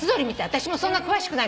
あたしもそんな詳しくない。